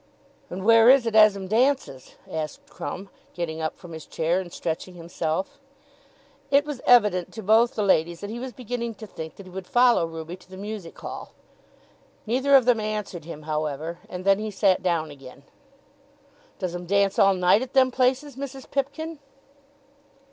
"And where is it as 'em dances?" asked Crumb, getting up from his chair, and stretching himself. It was evident to both the ladies that he was beginning to think that he would follow Ruby to the music hall. Neither of them answered him, however, and then he sat down again. "Does 'em dance all night at them places, Mrs. Pipkin?"